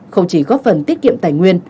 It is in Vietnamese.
không chỉ góp phần tiết kiệm tài nguyên